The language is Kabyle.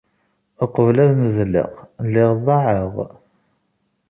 Uqbel ad ndelleɣ, lliɣ ḍaɛeɣ.